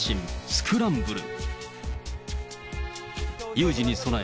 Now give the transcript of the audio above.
スクランブル！